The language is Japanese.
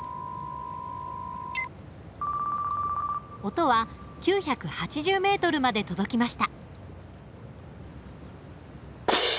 音は９８０ｍまで届きました。